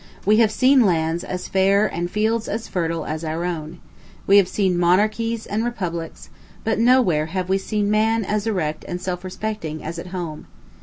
We have seen lands, as fair, and fields as fertile, as our own. We have seen monarchies and republics; but nowhere have we seen man as erect and self respecting as at home.